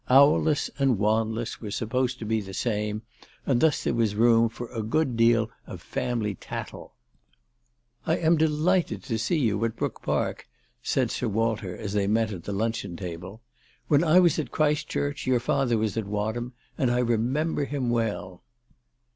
Owless and. Wanless were supposed to be the same, and thus there was room for a good deal of family tattle. " I am delighted to see you at Brook Park," said Sir 346 ALICE DUGDALE. Walter as they met at the luncheon table. " When I was at Christchurch your father was at Wadham, and I remember him well."